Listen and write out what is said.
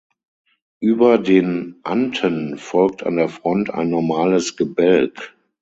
Über den Anten folgt an der Front ein normales Gebälk.